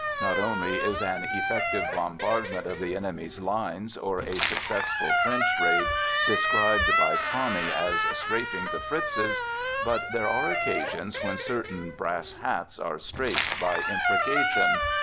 Not only is an effective bombardment of the enemy's lines or a successful trench raid de scribed by Tommy as * strafing the Fritzes,' but there are occasions when certain 1 brass hats ' are strafed by imprecation.